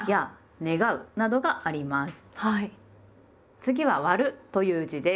次は「『割』る」という字です。